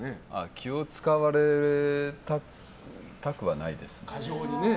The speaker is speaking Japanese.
気を使われたくはないですね。